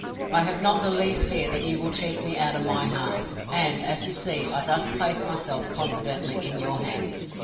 "I have not the least fear that you will cheat me out of my half; and, as you see, I thus place myself confidently in your hands.